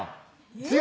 違う